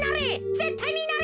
ぜったいになれ。